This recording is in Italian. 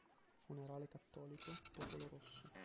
Funerale cattolico, popolo rosso".